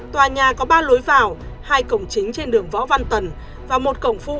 tòa nhà có ba lối vào hai cổng chính trên đường võ văn tần và một cổng phụ